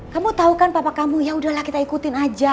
kamu tahu kan papa kamu yaudahlah kita ikutin aja